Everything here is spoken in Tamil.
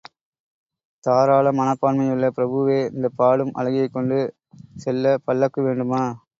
தாராள மனப்பான்மையுள்ள பிரபுவே, இந்தப் பாடும் அழகியைக் கொண்டு செல்லப் பல்லக்கு வேண்டுமா?